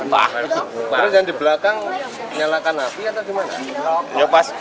terus yang di belakang nyalakan api atau gimana